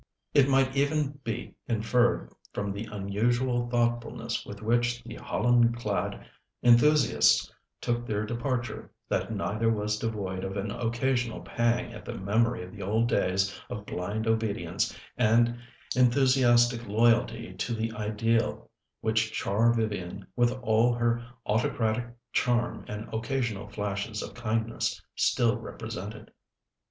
It might even be inferred from the unusual thoughtfulness with which the holland clad enthusiasts took their departure, that neither was devoid of an occasional pang at the memory of the old days of blind obedience and enthusiastic loyalty to the ideal which Char Vivian, with all her autocratic charm and occasional flashes of kindness, still represented.